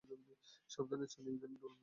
সাবধানে চালিও, ইদানীং দূর্ঘটনা বেড়ে গেছে।